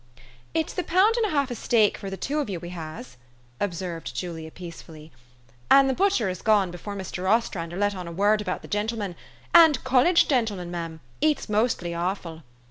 4 'It's the pound and half of steak for the two of you we has," observed Julia peacefully. "An* the butcher had gone before Mr. Ostrander let on a word about the gintlemin ; and college gintlemin, mem, eats mostly awful."